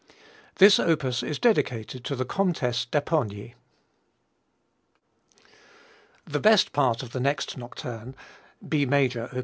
This opus is dedicated to the Comtesse d'Appony. The best part of the next nocturne, B major, op.